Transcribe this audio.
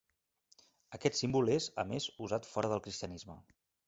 Aquest símbol és, a més, usat fora del cristianisme.